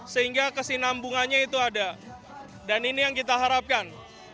sehingga kesinambungannya itu ada dan ini yang kita harapkan